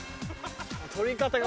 撮り方が。